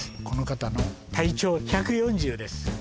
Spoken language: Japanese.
この方の体長１４０です